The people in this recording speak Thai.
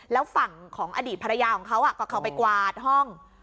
แล้วฝั่งของอดีตภรรยาของเขาก็เข้าไปกวาดห้อง